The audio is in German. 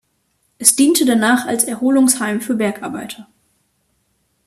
Es diente danach als Erholungsheim für Bergarbeiter.